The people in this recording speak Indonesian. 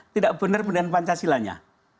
tidak benar benar pancasilanya